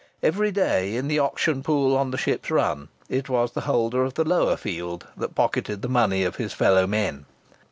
Every day, in the auction pool on the ship's run, it was the holder of the lower field that pocketed the money of his fellow men.